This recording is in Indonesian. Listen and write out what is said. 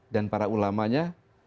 dan para ulamanya